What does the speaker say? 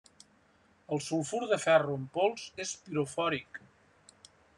El sulfur de ferro en pols és pirofòric.